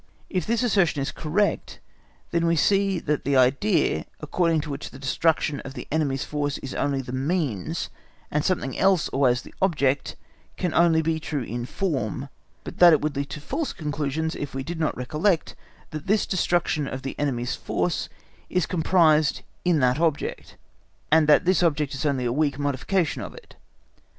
If this assertion is correct, then we see that the idea, according to which the destruction of the enemy's force is only the means, and something else always the object, can only be true in form, but, that it would lead to false conclusions if we did not recollect that this destruction of the enemy's force is comprised in that object, and that this object is only a weak modification of it.